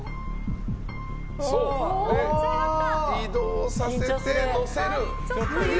移動させて載せる。